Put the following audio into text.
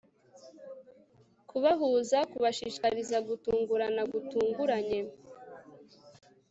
Kubahuza kubashishikariza gutungurana gutunguranye